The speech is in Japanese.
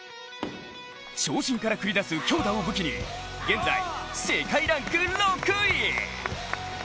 長身から繰り出す強打を武器に現在世界ランキング６位。